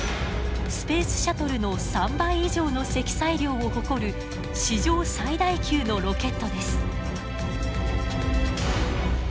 スペースシャトルの３倍以上の積載量を誇る史上最大級のロケットです。